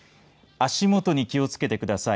足元に気をつけてください。